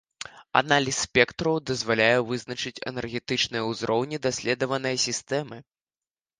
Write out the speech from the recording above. Аналіз спектраў дазваляе вызначаць энергетычныя ўзроўні даследаванай сістэмы.